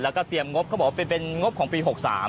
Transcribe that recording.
แล้วก็เตรียมงบเขาบอกว่าเป็นงบของปี๖๓